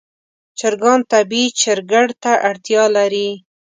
چرګان طبیعي چرګړ ته اړتیا لري.